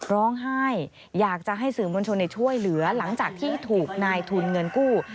ร้องไห้อยากจะให้สื่อมวลชนช่วยเหลือหลังจากที่ถูกนายทุนเงินกู้